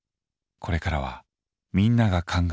これからはみんなが考えるカラス。